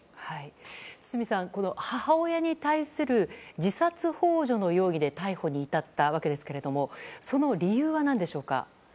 堤さん、母親に対する自殺幇助の容疑で逮捕に至った訳ですけどもその理由は何でしょうか。